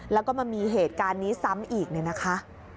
แล้วก็มามีเหตุการณ์นี้ซ้ำอีกเนี่ยนะคะ